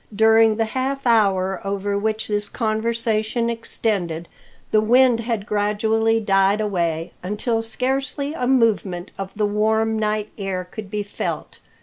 During the half hour over which this conversation extended the wind had gradually died away until scarcely a movement of the warm night air could be felt.